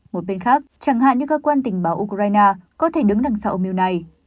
một bên khác chẳng hạn như cơ quan tình báo ukraine có thể đứng đằng sau âm mưu này